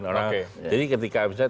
jadi ketika misalnya